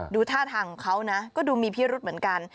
ดูท่าทางของเขานะก็ดูมีพิรุษเหมือนกัน